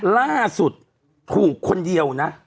ล่าสุดถูกคนเดียวนะ